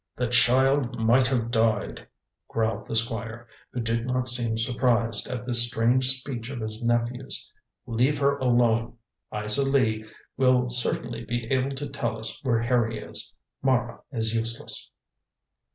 "The child might have died," growled the Squire, who did not seem surprised at this strange speech of his nephew's. "Leave her alone. Isa Lee will certainly be able to tell us where Harry is. Mara is useless."